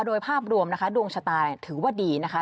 โดยภาพรวมนะคะดวงชะตาถือว่าดีนะคะ